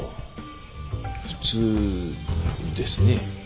普通ですね。